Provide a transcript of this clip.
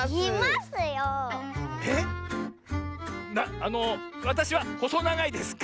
あのわたしはほそながいですか？